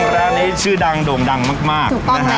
ร้านนี้ชื่อดังโด่งดังมากนะฮะ